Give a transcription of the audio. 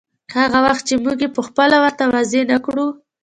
هغه وخت چې موږ يې پخپله ورته وضع نه کړو.